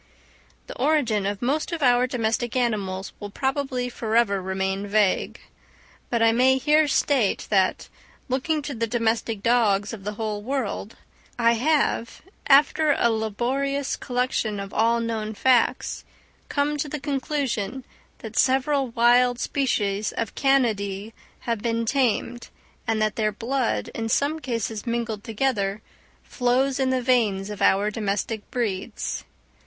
The origin of most of our domestic animals will probably forever remain vague. But I may here state that, looking to the domestic dogs of the whole world, I have, after a laborious collection of all known facts, come to the conclusion that several wild species of Canidæ have been tamed, and that their blood, in some cases mingled together, flows in the veins of our domestic breeds.